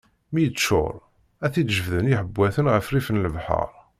Mi yeččuṛ, ad t-id-jebden iḥewwaten ɣer rrif n lebḥeṛ.